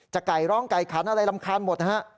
ไก่ร้องไก่ขันอะไรรำคาญหมดนะฮะ